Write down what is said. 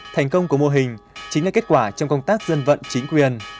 thành công của mô hình chính là kết quả trong công tác dân vận chính quyền